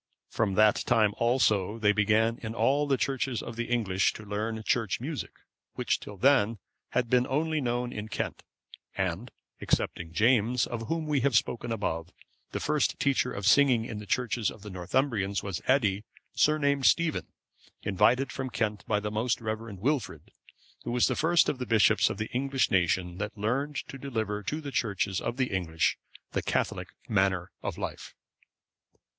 From that time also they began in all the churches of the English to learn Church music, which till then had been only known in Kent. And, excepting James, of whom we have spoken above,(536) the first teacher of singing in the churches of the Northumbrians was Eddi, surnamed Stephen,(537) invited from Kent by the most reverend Wilfrid, who was the first of the bishops of the English nation that learned to deliver to the churches of the English the Catholic manner of life.